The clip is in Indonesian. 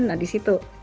nah di situ